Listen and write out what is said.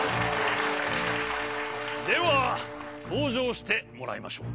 ではとうじょうしてもらいましょう。